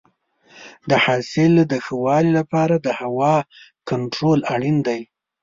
د حاصل د ښه والي لپاره د هوا کنټرول اړین دی.